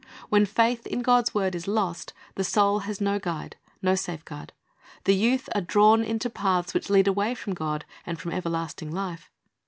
When faith in God's word is lost, the soul has no guide, no safeguard. The youth are drawn into paths which lead away from God and from everlasting life.